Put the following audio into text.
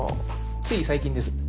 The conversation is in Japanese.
つい最近です。